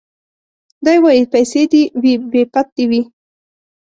دی وايي پيسې دي وي بې پت دي وي